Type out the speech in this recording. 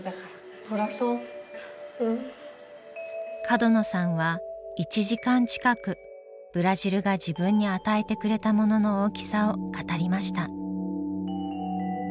角野さんは１時間近くブラジルが自分に与えてくれたものの大きさを語りました。